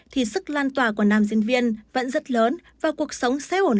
thì sức lan tỏa của nam diễn viên vẫn rất lớn và cuộc sống sẽ ổn hơn